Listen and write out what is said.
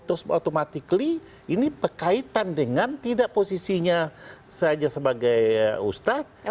otomatis ini berkaitan dengan tidak posisinya saja sebagai ustadz